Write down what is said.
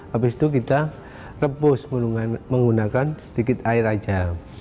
habis itu kita rebus menggunakan sedikit air aja